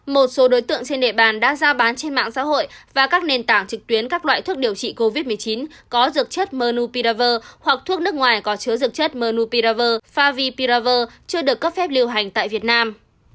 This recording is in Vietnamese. một số đối tượng trên đề bàn đã ra bán trên mạng xã hội và các nền tảng trực tuyến các loại thuốc điều trị covid một mươi chín có dược chất mnupiravir hoặc thuốc nước ngoài có chứa dược chất mnupiravir favipiravir chưa được cấp phép điều hành tại việt nam